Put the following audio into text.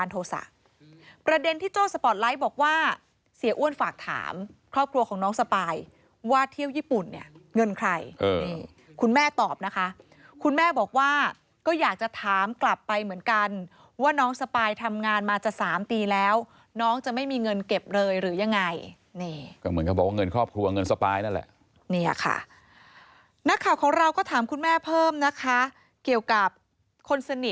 ฝากถามครอบครัวของน้องสปายว่าเที่ยวญี่ปุ่นเนี่ยเงินใครนี่คุณแม่ตอบนะคะคุณแม่บอกว่าก็อยากจะถามกลับไปเหมือนกันว่าน้องสปายทำงานมาจะ๓ปีแล้วน้องจะไม่มีเงินเก็บเลยหรือยังไงนี่ก็เหมือนเขาบอกว่าเงินครอบครัวเงินสปายนั่นแหละเนี่ยค่ะนักข่าวของเราก็ถามคุณแม่เพิ่มนะคะเกี่ยวกับคนสนิท